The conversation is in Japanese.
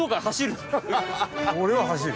俺は走る。